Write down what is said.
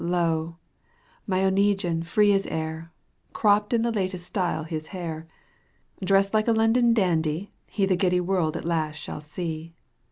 Lo ! my Oneguine free as air, Cropped in the latest style his hair. Dressed like a London dandy he The giddy world at last shall see.